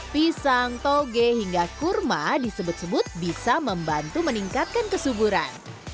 pisang toge hingga kurma disebut sebut bisa membantu meningkatkan kesuburan